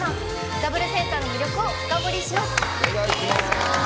ダブルセンターの魅力を深掘りします。